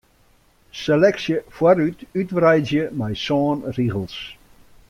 Seleksje foarút útwreidzje mei sân rigels.